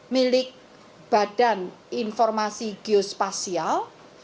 milik badan informasi geospasial